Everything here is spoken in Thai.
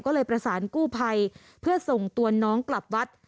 ก็เลยประสานกู้ภัยเพื่อส่งตัวน้องกลับวัด